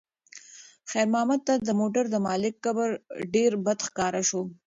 خیر محمد ته د موټر د مالک کبر ډېر بد ښکاره شو.